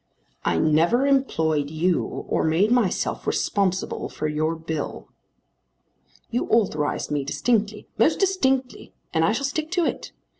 "I never employed you or made myself responsible for your bill." "You authorized me, distinctly, most distinctly, and I shall stick to it.